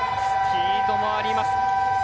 スピードもあります。